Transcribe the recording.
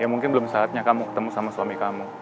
ya mungkin belum saatnya kamu ketemu sama suami kamu